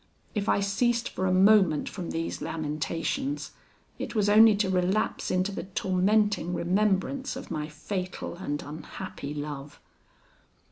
If I ceased for a moment from these lamentations, it was only to relapse into the tormenting remembrance of my fatal and unhappy love.